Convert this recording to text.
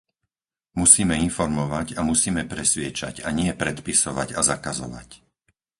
Musíme informovať a musíme presviedčať a nie predpisovať a zakazovať.